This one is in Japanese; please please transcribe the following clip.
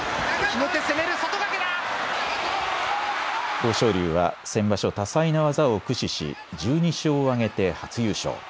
豊昇龍は先場所、多彩な技を駆使し、１２勝を挙げて初優勝。